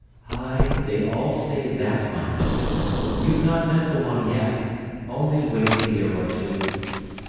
"Ay, they all say that, my lad. You've not met the one yet. Only wait a year or two."